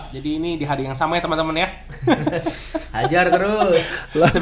jadi ini di hari yang sama ya teman teman ya hahaha jadi ini di hari yang sama ya teman teman ya hahaha